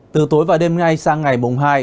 từ tối và đêm ngay sang ngày mùng hai